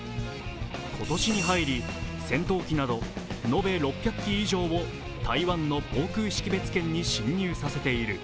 今年に入り戦闘機など延べ６００機以上を台湾の防空識別圏に進入させている。